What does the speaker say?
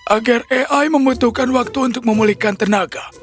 agar ai membutuhkan waktu untuk memulihkan tenaga